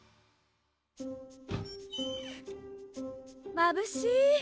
まぶしい。